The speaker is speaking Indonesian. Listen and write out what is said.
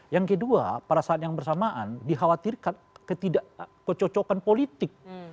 yang kedua pada saat yang bersamaan dikhawatirkan ketidakcocokan politik